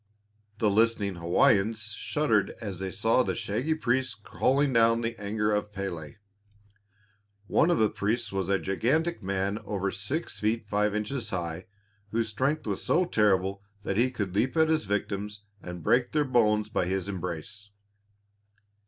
The listening Hawaiians shuddered as they saw the shaggy priests calling down the anger of Pélé. One of the priests was a gigantic man over six feet five inches high, whose strength was so terrible that he could leap at his victims and break their bones by his embrace.